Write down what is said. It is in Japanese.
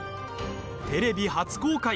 テレビ初公開。